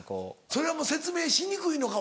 それはもう説明しにくいのか？